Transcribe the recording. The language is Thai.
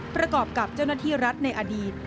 ประกอบกับเจ้าหน้าที่รัฐในอดีต